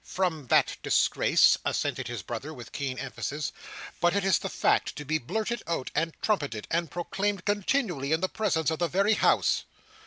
"From that disgrace," assented his brother with keen emphasis, "but is the fact to be blurted out and trumpeted, and proclaimed continually in the presence of the very House!